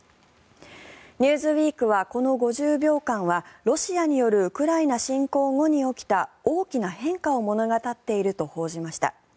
「ニューズウィーク」はこの５０秒間はロシアによるウクライナ侵攻後に起きた大きな変化を物語っていると報じました。